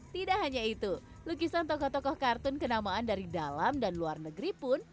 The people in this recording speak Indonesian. tidak hanya itu lukisan tokoh tokoh kartun kenamaan dari dalam dan luar negeri pun